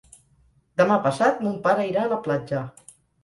Demà passat mon pare irà a la platja.